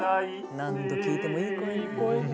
何度聴いてもいい声ね。